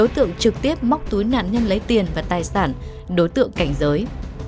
trực tiếp móc túi nạn nhân lấy tiền và tài sản đối tượng cảnh giới